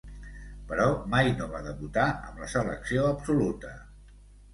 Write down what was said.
Però, mai no va debutar amb la selecció absoluta.